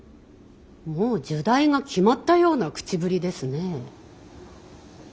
もう入内が決まったような口ぶりですね。